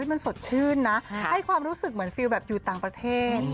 มันสดชื่นนะให้ความรู้สึกเหมือนฟิลแบบอยู่ต่างประเทศ